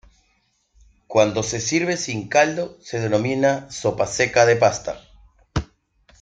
Cuando se sirve sin caldo se denomina sopa seca de pasta.